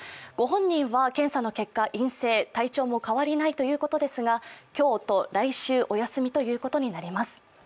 御本人は検査の結果、陰性体調も変わりないということですが今日と来週お休みということになります。